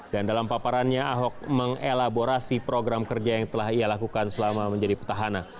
dan dalam paparannya ahok mengelaborasi program kerja yang telah ia lakukan selama menjadi petahana